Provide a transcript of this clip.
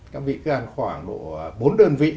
các vị cứ ăn khoảng độ bốn đơn vị